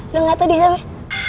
lo gak tau dia siapa ya